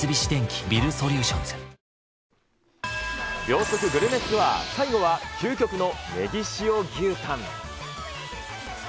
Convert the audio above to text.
秒速グルメツアー、最後は、究極のネギ塩牛タン。